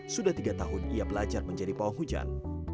sudah tiga tahun ia belajar menjadi pawang hujan